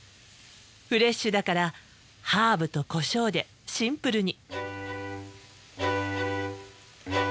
フレッシュだからハーブとコショウでシンプルに。